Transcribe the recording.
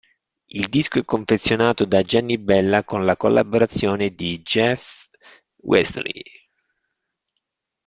Il disco è confezionato da Gianni Bella, con la collaborazione di Geoff Westley.